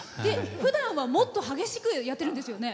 ふだんはもっと激しく歌ってるんですよね？